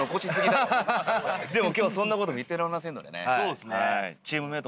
でも今日はそんなこと言ってられませんのでね。